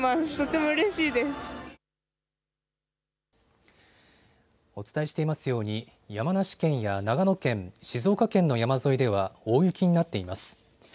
お伝えしていますように山梨県や長野県、静岡県の山沿いでは大雪になっています。